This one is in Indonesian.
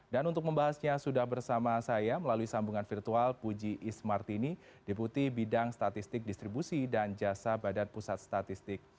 dan untuk membahasnya sudah bersama saya melalui sambungan virtual puji ismartini deputi bidang statistik distribusi dan jasa badan pusat statistik